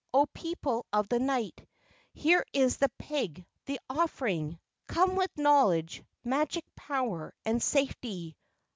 O people of the night, Here is the pig, the offering! Come with knowledge, magic power, and safety.